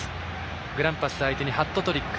グランパス相手にハットトリック。